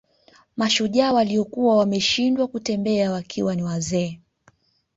Mashujaa waliokuwa wameshindwa kutembea wakiwa ni wazee